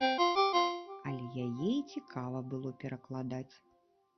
Але яе і цікава было перакладаць.